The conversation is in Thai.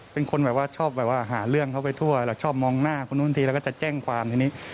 เป็นคนแบบว่าชอบแบบว่าหาเรื่องเขาไปทั่วเราชอบมองหน้าคนนู้นทีแล้วก็จะแจ้งความทีนี้